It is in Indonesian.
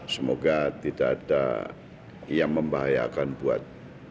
semoga tidak ada yang membahayakan buat